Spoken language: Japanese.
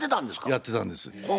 やってたんです。